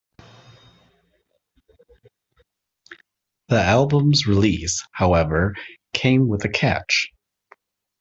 The album's release, however, came with a catch.